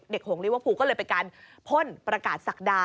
หงลิเวอร์พูลก็เลยไปการพ่นประกาศศักดา